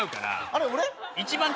あれ俺？